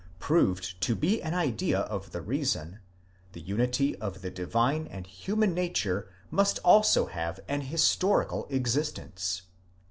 Proved to be an idea of the reason, the unity of the divine and human nature must also have an historical existence.